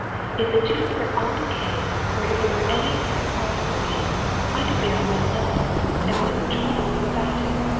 If the tooth were at all decayed, or there were any apparent cause for the pain, I could bear it well enough, and wouldn't trouble you about it.